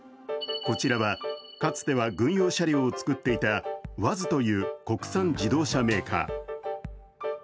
こちらはかつては軍用車両をつくっていたＵＡＺという国産自動車メーカー。